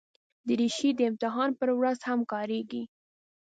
دریشي د امتحان پر ورځ هم کارېږي.